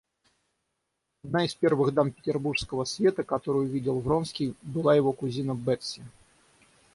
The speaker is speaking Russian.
Одна из первых дам Петербурского света, которую увидел Вронский, была его кузина Бетси.